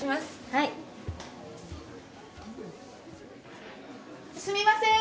はいすみません